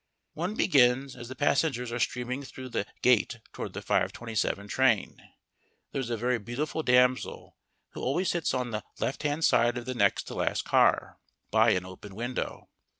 One begins as the passengers are streaming through the gate toward the 5:27 train. There is a very beautiful damsel who always sits on the left hand side of the next to last car, by an open window.